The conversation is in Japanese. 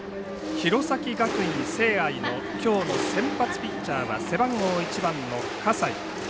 弘前学院聖愛のきょうの先発ピッチャーは背番号１番の葛西。